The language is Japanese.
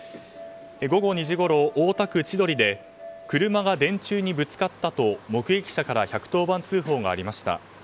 午後２時ごろ大田区で車が電柱にぶつかったと、目撃者から１１０番通報がありました。